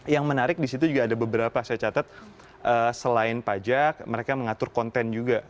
yang menarik di situ juga ada beberapa saya catat selain pajak mereka mengatur konten juga